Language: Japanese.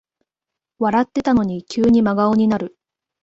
笑ってたのに急に真顔になる